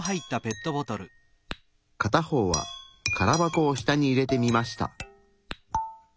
片方は空箱を下に入れてみました。